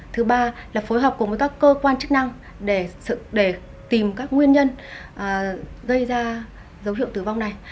thứ ba là phối hợp cùng với các cơ quan chức năng để tìm các nguyên nhân gây ra dấu hiệu tử vong này